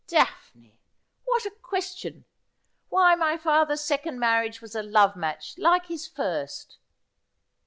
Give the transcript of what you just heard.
' Daphne ! what a question ! Why, my father's second mar riage was a love match, like his first.'